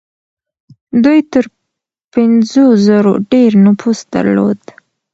دوی تر پنځو زرو ډېر نفوس درلود.